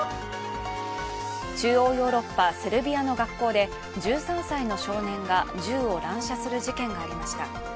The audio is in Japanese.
中央ヨーロッパ・セルビアの学校で１３歳の少年が銃を乱射する事件がありました。